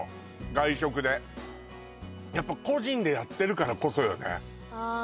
外食でやっぱ個人でやってるからこそよねああ